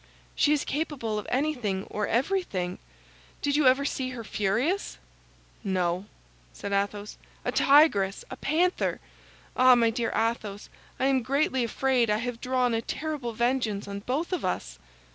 "She is capable of anything or everything. Did you ever see her furious?" "No," said Athos. "A tigress, a panther! Ah, my dear Athos, I am greatly afraid I have drawn a terrible vengeance on both of us!"